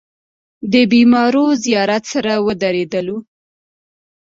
د بېمارو زيارت سره ودرېدلو.